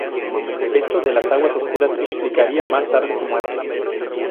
Esto de las aguas oscuras "explicaría" más tarde su muerte.